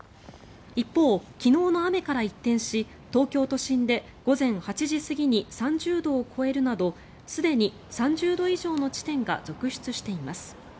一方、昨日の雨から一転し東京都心で午前８時過ぎに３０度を超えるなどすでに３０度以上の地点が続出しています。